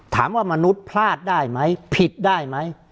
ถามว่ามนุษย์พลาดได้ไหมผิดได้ไหม